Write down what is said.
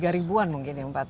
tiga ribuan mungkin ya